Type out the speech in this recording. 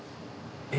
え？